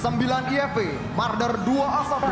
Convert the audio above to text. sembilan ifp marder dua a satu